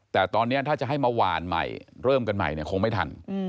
แต่ตอนนี้ถ้าจะให้มาหวานใหม่เริ่มกันใหม่เนี่ยคงไม่ทัน